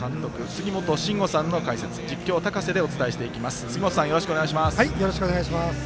杉本真吾さんの解説実況、高瀬でお伝えしてまいります。